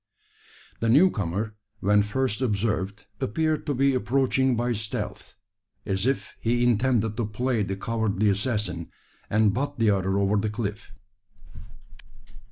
The new comer, when first observed, appeared to be approaching by stealth as if he intended to play the cowardly assassin, and butt the other over the cliff!